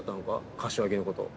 柏木のこと。